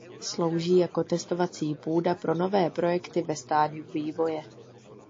Slouží jako testovací půda pro nové projekty ve stádiu vývoje.